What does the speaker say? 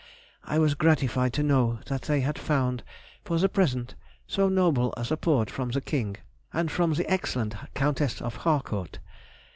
I was gratified to know that they had found (for the present) so noble a support from the King and from the excellent Countess of Harcourt.